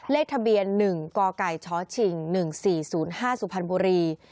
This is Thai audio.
เลขทะเบียน๑กกชชิง๑๔๐๕สุพรรณบุรี